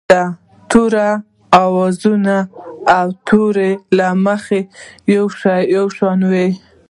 دا توري د آواز او تورو له مخې یو شان وي.